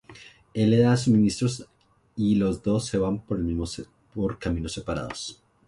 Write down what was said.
Él le da suministros, y los dos se van por caminos separados.